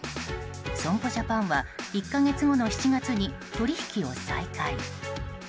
損保ジャパンは１か月後の７月に取引を再開。